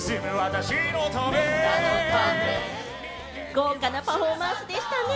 豪華なパフォーマンスでしたね。